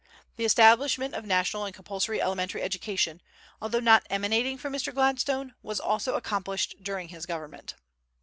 The establishment of national and compulsory elementary education, although not emanating from Mr. Gladstone, was also accomplished during his government.